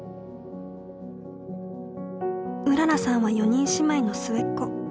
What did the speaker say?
うららさんは４人姉妹の末っ子。